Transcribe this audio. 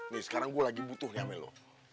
nih sekarang gua lagi butuh nih sama lu